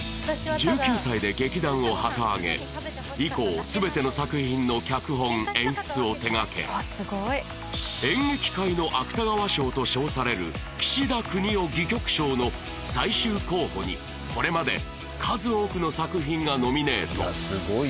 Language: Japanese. １９歳で劇団を旗揚げ以降全ての作品の脚本演出を手がけ演劇界の芥川賞と称される岸田國士戯曲賞の最終候補にこれまで数多くの作品がノミネート